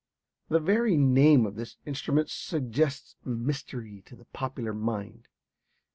The very name of this instrument suggests mystery to the popular mind.